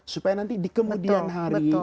supaya nanti di kemudian hari